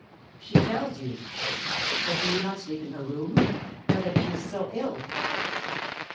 "She tells you. But do you not sleep in her room, now that she is so ill?"